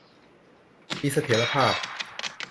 มีเสถียรภาพ